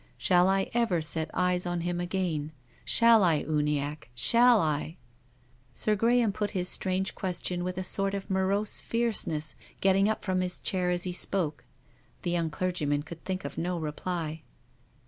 Shall I ever set eyes on him again ? Shall I, Uniacke ? Shall I?" Sir Graham put this strange question with a sort of morose fierceness, getting up from his chair as he spoke. The young clergyman could think of no reply.